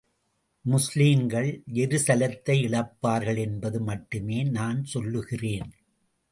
முஸ்லீம்கள் ஜெருசலத்தை இழப்பார்கள் என்பது மட்டுமே நான் சொல்லுகிறேன்.